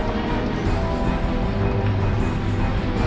หลบมา